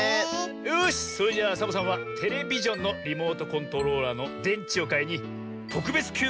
よしそれじゃあサボさんはテレビジョンのリモートコントローラーのでんちをかいにとくべつきゅう